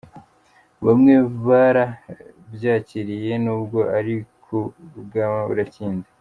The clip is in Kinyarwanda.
Bamwe baranabyakiriye, n’ubwo ari ku bw’amaburakindi.